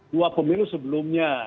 dua pemilu sebelumnya